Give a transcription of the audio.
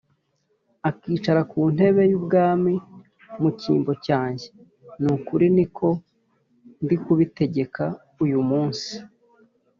akicara ku ntebe y’ubwami mu cyimbo cyanjye’, ni ukuri ni ko ndi bubitegeke uyu munsi.